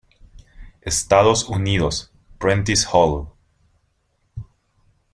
Estados Unidos: Prentice-Hall.